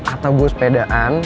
atau gue sepedaan